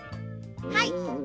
はい。